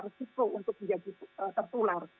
risiko untuk menjadi tertular